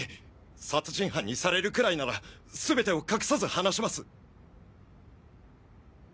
殺人犯にされるくらいならすべてを隠さず話します！